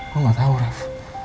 lo gak tau raff